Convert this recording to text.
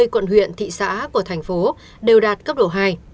ba mươi quận huyện thị xã của thành phố đều đạt cấp độ hai